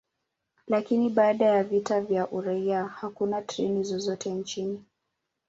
Lakini baada ya vita vya uraia, hakuna treni zozote nchini.